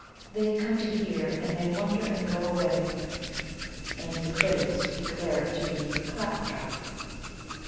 They come to hear, and they wonder and go away, and the critics declare it to be CLAP TRAP."